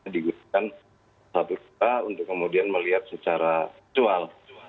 dibutuhkan pesawat sejarah untuk kemudian melihat secara visual